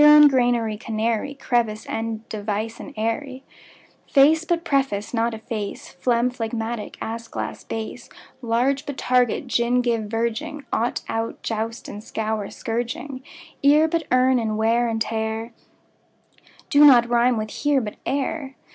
Heron; granary, canary; Crevice, and device, and eyrie; Face but preface, but efface, Phlegm, phlegmatic; ass, glass, bass; Large, but target, gin, give, verging; Ought, out, joust and scour, but scourging; Ear, but earn; and wear and tear Do not rime with "here", but "ere".